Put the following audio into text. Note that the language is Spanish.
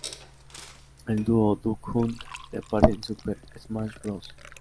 El "Dúo Duck Hunt" reaparece en Super Smash Bros.